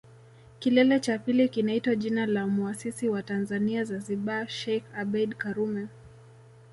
Kilele cha pili kinaitwa jina la Muasisi wa Tanzania Zanzibar Sheikh Abeid Karume